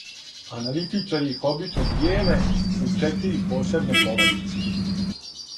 "Аналитичари их обично дијеле у четири посебне "породице"."